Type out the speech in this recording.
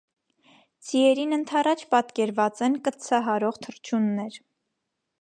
Ձիերին ընդառաջ պատկերված են կտցահարող թռչուններ։